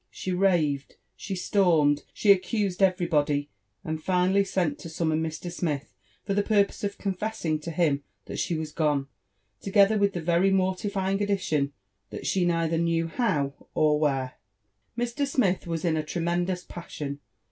She raved, she stormed, she ao < 884 LIFE AND ADVENTURES OF cosed everybody, and finally sent to summon Mr. Smith for the pur* pose of confessing to him that she was gone, together with the very mortifying addition that she neither knew how nor where. Mr. Smith was in a tremendous passion.